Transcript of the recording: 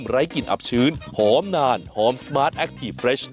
เฮ้อเฮ้อทำไม